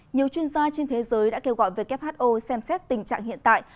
nhiều chuyên gia trên thế giới đã kêu gọi who xem xét tình trạng hiện tại